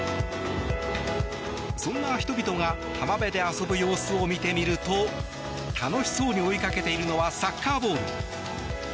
そんな人々が浜辺で遊ぶ様子を見てみると楽しそうに追いかけているのはサッカーボール。